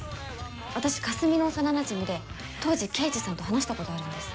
私かすみの幼なじみで当時刑事さんと話したことあるんです。